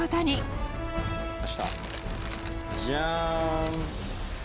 じゃーん。